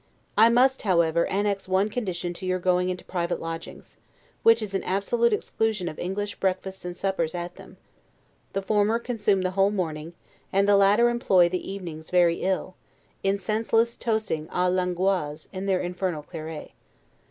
I must, however, annex one condition to your going into private lodgings, which is an absolute exclusion of English breakfasts and suppers at them; the former consume the whole morning, and the latter employ the evenings very ill, in senseless toasting a l'Angloise in their infernal claret.